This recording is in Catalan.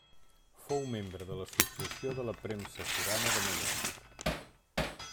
Fou membre de l'Associació de la Premsa Forana de Mallorca.